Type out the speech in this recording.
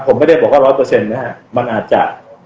ผมไม่ได้บอกว่าร้อยเปอร์เซ็นต์นะฮะมันอาจจะ